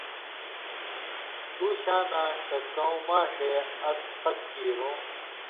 ݜُو شاناں، کہ کؤں ماݜے اس پھت کیرُوں،